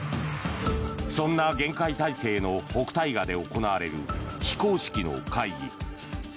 そんな厳戒態勢の北戴河で行われる、非公式の会議。